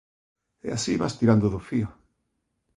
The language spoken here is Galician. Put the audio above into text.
E así vas tirando do fío.